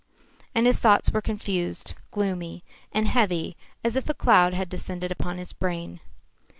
And his thoughts were confused, gloomy, and heavy as if a cloud had descended upon his brain.